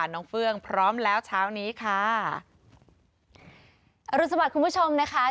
เฟื่องพร้อมแล้วเช้านี้ค่ะอรุณสวัสดิ์คุณผู้ชมนะคะ